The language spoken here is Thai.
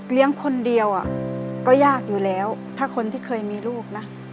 คนเดียวก็ยากอยู่แล้วถ้าคนที่เคยมีลูกนะ